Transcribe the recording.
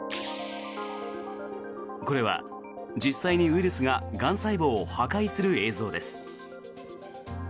これは実際にウイルスががん細胞を破壊する映像です。